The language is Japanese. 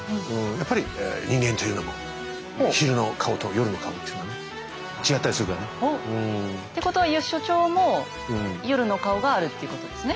やっぱり人間というのも昼の顔と夜の顔っていうのはね違ったりするからね。ってことは所長も夜の顔があるっていうことですね。